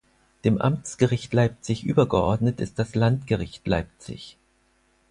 Dem Amtsgericht Leipzig übergeordnet ist das Landgericht Leipzig.